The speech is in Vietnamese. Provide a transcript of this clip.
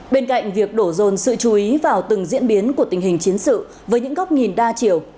bên cạnh việc đổ dồn sự chú ý vào từng diễn biến của tình hình chiến sự với những góc nhìn đa chiều